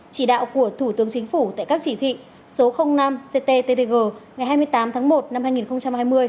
chỉ đạo của thủ tướng chính phủ tại các chỉ thị số năm cttg ngày hai mươi tám tháng một năm hai nghìn hai mươi